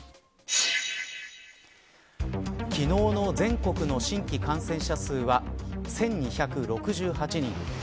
昨日の全国の新規感染者数は１２６８人。